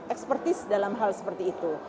ekspertis dalam hal seperti itu